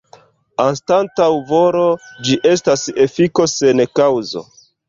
Anstataŭ volo, ĝi estas efiko sen kaŭzo.